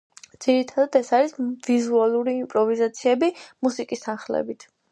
ძირითადად ეს არის ვიზუალური იმპროვიზაციები მუსიკის თანხლებით.